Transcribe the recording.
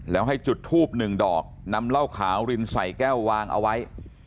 แล้วให้จุดทูบหนึ่งดอกนำเหล้าขาวรินใส่แก้ววางเอาไว้